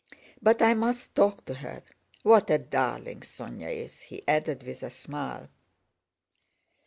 "But I must talk to her. What a darling Sónya is!" he added with a smile.